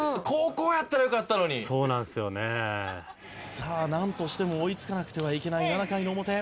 「さあなんとしても追いつかなくてはいけない７回の表。